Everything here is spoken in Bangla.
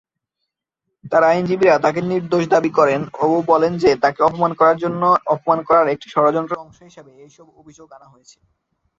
তার আইনজীবীরা তাঁকে নির্দোষ দাবি করেন ও বলেন যে, তাকে অপমান করার একটি ষড়যন্ত্রের অংশ হিসেবে এইসব অভিযোগ আনা হয়েছে।